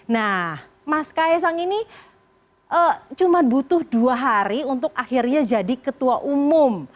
nah mas kaisang ini cuma butuh dua hari untuk akhirnya jadi ketua umum